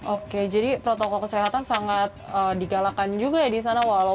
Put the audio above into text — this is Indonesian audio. oke jadi protokol kesehatan sangat digalakan juga ya di sana